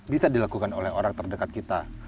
bisa dilakukan oleh orang terdekat kita